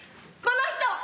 この人！